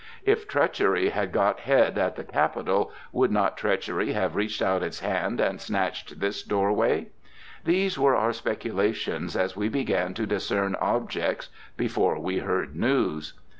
If treachery had got head at the capital, would not treachery have reached out its hand and snatched this doorway? These were our speculations as we began to discern objects, before we heard news.